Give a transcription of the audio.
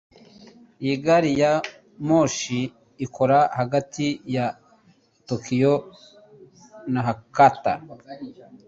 Iyi gari ya moshi ikora hagati ya Tokiyo na Hakata.